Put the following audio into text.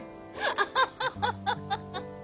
ハハハハ！